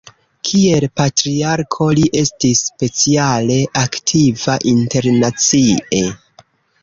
Kiel patriarko li estis speciale aktiva internacie.